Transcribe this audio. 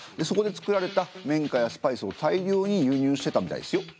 そこで作られた綿花やスパイスを大量に輸入してたみたいですよ。